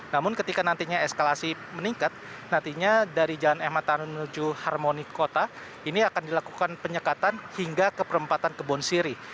namun ketika nantinya eskalasi meningkat nantinya dari jalan mh matano menuju harmoni kota ini akan dilakukan penyekatan hingga ke perempatan kebon sirih